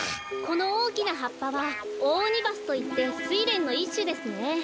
このおおきなはっぱはオオオニバスといってスイレンのいっしゅですね。